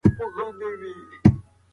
دا باغ به د راتلونکي نسل لپاره پاتې شي.